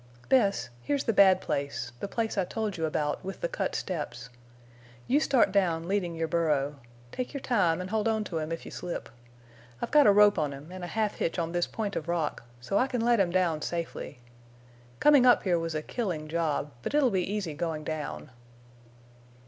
"Bess, here's the bad place, the place I told you about, with the cut steps. You start down, leading your burro. Take your time and hold on to him if you slip. I've got a rope on him and a half hitch on this point of rock, so I can let him down safely. Coming up here was a killing job. But it'll be easy going down."